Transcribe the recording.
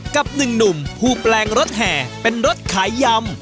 กับหนึ่งหนุ่มผู้แปลงรถแห่เป็นรถขายยำ